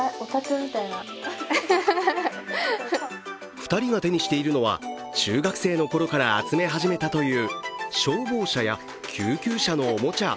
２人が手にしているのは中学生のころから集め始めたという消防車や救急車のおもちゃ。